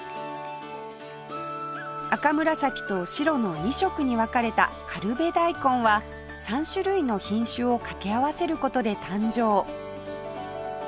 赤紫と白の２色に分かれた苅部大根は３種類の品種をかけ合わせる事で誕生